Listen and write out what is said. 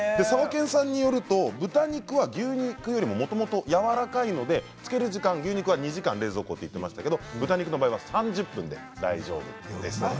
さわけんさんによると豚肉は牛肉よりももともとやわらかいのでつける時間牛肉は２時間冷蔵庫って言ってましたけど豚肉の場合は３０分で大丈夫です。